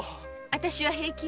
私は平気。